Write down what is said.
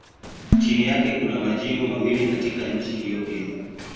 Chini yake kuna majimbo mawili katika nchi hiyohiyo.